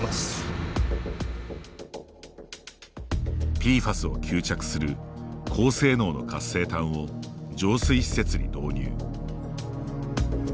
ＰＦＡＳを吸着する高性能の活性炭を浄水施設に導入。